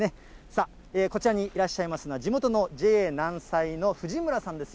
さあ、こちらにいらっしゃいますのは、地元のＪＡ南彩の藤村さんです。